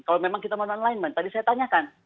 kalau memang kita mau non alignment tadi saya tanyakan